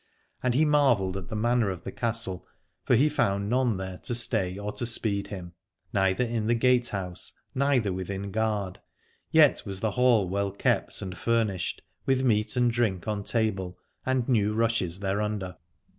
And he marvelled at the manner of the castle, for he found none there to stay or to speed him, neither in the gatehouse neither within guard : yet was the hall well kept and fur nished, with meat and drink on table and new rushes thereunder.